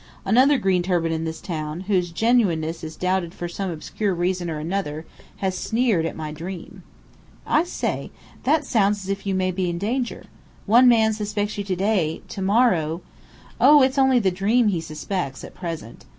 Another green turban in this town, whose genuineness is doubted for some obscure reason or other, has sneered at my dream." "I say! That sounds as if you might be in danger. If one man suspects you to day, to morrow " "Oh, it's only the dream he suspects at present.